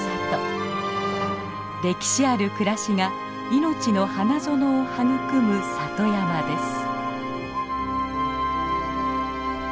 歴史ある暮らしが命の花園を育む里山です。